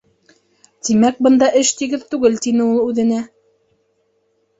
Тимәк, бында эш тиген түгел, тине ул үҙенә.